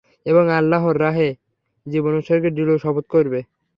এবং আল্লাহর রাহে জীবন উৎসর্গের দৃঢ় শপথ করবে।